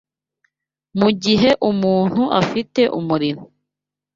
Mu Gihe Umuntu Afite Umuriro